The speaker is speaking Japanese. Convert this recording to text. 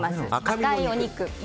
赤いお肉。